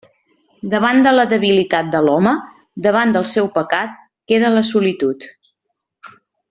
Davant de la debilitat de l'home, davant del seu pecat, queda la solitud.